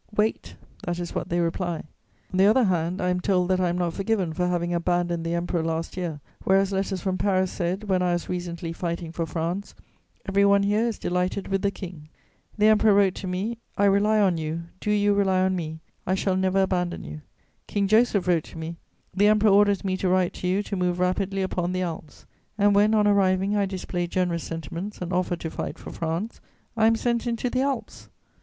Wait: that is what they reply. On the other hand, I am told that I am not forgiven for having abandoned the Emperor last year, whereas letters from Paris said, when I was recently fighting for France, 'Every one here is delighted with the King.' The Emperor wrote to me, I rely on you, do you rely on me, I shall never abandon you.' King Joseph wrote to me, 'The Emperor orders me to write to you to move rapidly upon the Alps.' And when, on arriving, I display generous sentiments and offer to fight for France, I am sent into the Alps.